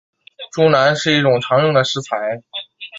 猪腩是一种常用的食材。